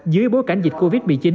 dưới bối cảnh dịch covid một mươi chín